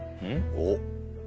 おっ！